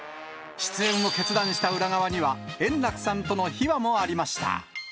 出演を決断した裏側には、円楽さんとの秘話もありました。